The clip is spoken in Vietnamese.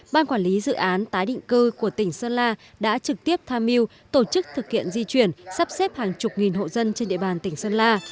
ban quản lý dự án tái định cư của tỉnh sơn la đã trực tiếp tham mưu tổ chức thực hiện di chuyển sắp xếp hàng chục nghìn hộ dân trên địa bàn tỉnh sơn la